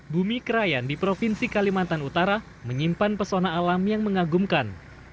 bumi krayan di provinsi kalimantan utara menyimpan pesona alam yang mengagumkan